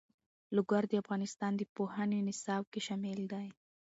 لوگر د افغانستان د پوهنې نصاب کې شامل دي.